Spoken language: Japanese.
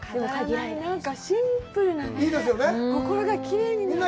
シンプルなね、心がきれいになる。